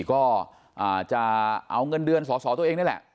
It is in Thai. ก็จะเอาเงินเดือนสอสอตัวเองนี่แหละ